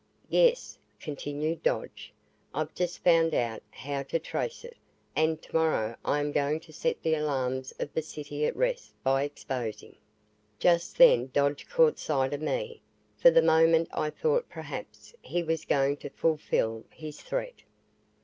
"Yes," continued Dodge, "I've just found out how to trace it, and tomorrow I am going to set the alarms of the city at rest by exposing " Just then Dodge caught sight of me. For the moment I thought perhaps he was going to fulfill his threat.